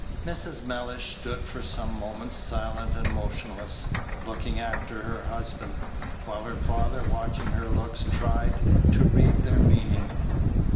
Mrs. Mellish stood for some moments silent and motionless, looking after her husband, while her father, watching her looks, tried to read their meaning.